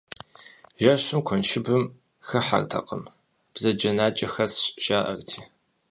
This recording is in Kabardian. Жэщым куэншыбым хыхьэртэкъым, бзаджэнаджэ хэсщ, жаӏэрти.